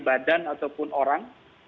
badan ataupun orang